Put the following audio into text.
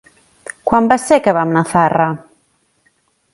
Quan va ser que vam anar a Zarra?